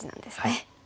はい。